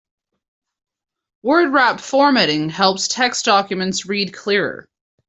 Word wrap formatting helps text documents read clearer.